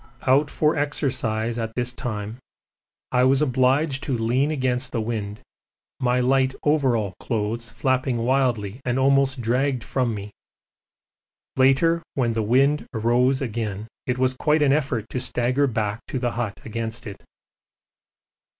Out for exercise at this time I was obliged to lean against the wind, my light overall clothes flapping wildly and almost dragged from me; later when the wind rose again it was quite an effort to stagger back to the hut against it.